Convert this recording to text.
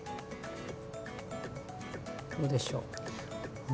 どうでしょう。